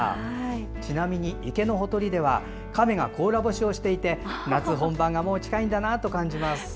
ちなみに池のほとりでは亀が甲羅干しをしていて夏本番がもう近いんだなと感じます。